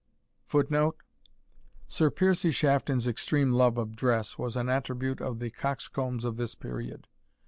[Footnote: Sir Piercie Shafton's extreme love of dress was an attribute of the coxcombs of this period.